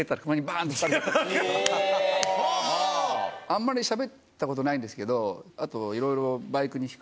あんまりしゃべったことないんですけどいろいろ。